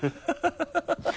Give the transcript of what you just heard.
ハハハ